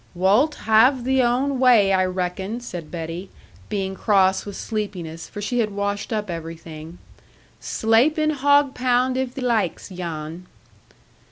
'Wult have thee own wai, I reckon,' said Betty, being cross with sleepiness, for she had washed up everything; 'slape in hog pound, if thee laikes, Jan.'